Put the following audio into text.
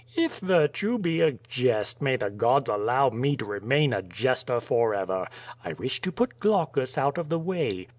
^' "If virtue be a jest, may the gods allow me to remain a jester forever. I wish to put Glaucus out of the way.